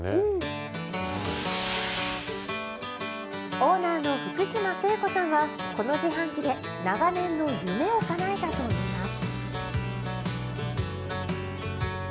オーナーの福島聖子さんは、この自販機で、長年の夢をかなえたといいます。